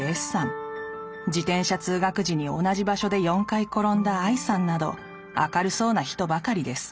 自転車通学時に同じ場所で４回ころんだＩさんなど明るそうな人ばかりです。